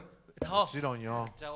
もちろんよ。